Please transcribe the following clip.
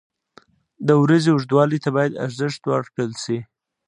• د ورځې اوږدوالي ته باید ارزښت ورکړل شي.